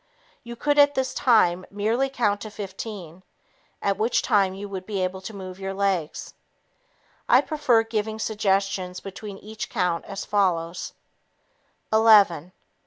You could at this time merely continue to count to 15, at which time you would be able to move your legs. I prefer giving suggestions between each count as follows: "Eleven